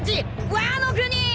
ワノ国！